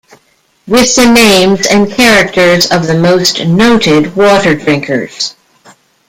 With the names and characters of the most noted water-drinkers.